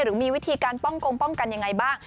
หรือมีวิธีการป้องกงป้องกันยังไงบ้าง